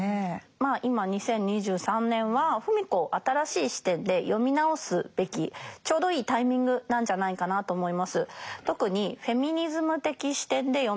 まあ今２０２３年は芙美子を新しい視点で読み直すべきちょうどいいタイミングなんじゃないかなと思います。